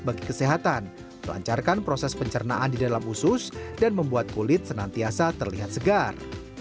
bagi kesehatan melancarkan proses pencernaan di dalam usus dan membuat kulit senantiasa terlihat segar